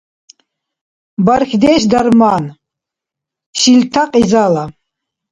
Бархьдеш — дарман, шилтахъ — изала.